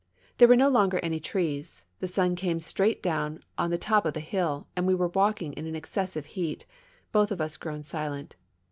There were no longer any trees ; the sun came straight down on the top of the hill, and we were walking in an excessive heat, both of us grown silent.